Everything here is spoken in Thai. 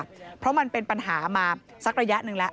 เพราะมันเป็นปัญหามาสักระยะหนึ่งแล้ว